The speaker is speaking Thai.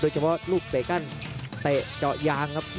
เฉพาะลูกเตะกั้นเตะเจาะยางครับ